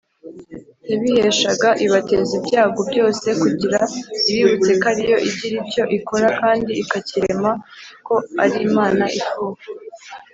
yabihebeshaga ibateza ibyago byose kugira ibibutse ko ariyo igira icyo ikora kandi ikacyirema ko ari Imana ifuha.